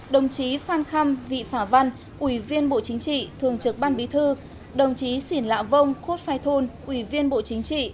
đồng chí phan khâm vị phả văn ủy viên bộ chính trị thường trực ban bí thư đồng chí xỉn lạ vông khuốt phai thun ủy viên bộ chính trị